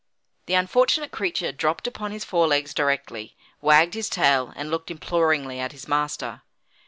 The unfortunate creature dropped upon his forelegs directly, wagged his tail, and looked imploringly at his master.